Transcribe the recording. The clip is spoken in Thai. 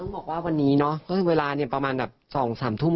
เพราะว่าเวลาเนี่ยประมาณแบบ๒๓ทุ่ม